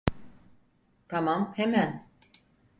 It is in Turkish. Tamam, hemen.